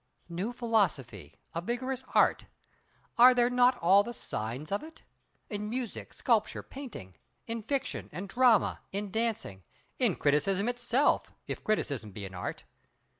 New philosophy—a vigorous Art! Are there not all the signs of it? In music, sculpture, painting; in fiction—and drama; in dancing; in criticism itself, if criticism be an Art.